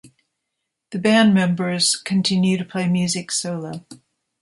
The band members continue to play music solo.